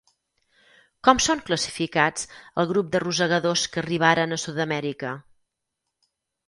Com són classificats el grup de rosegadors que arribaren a Sud-amèrica?